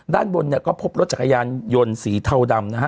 ด้านบนเนี่ยก็พบรถจักรยานยนต์สีเทาดำนะฮะ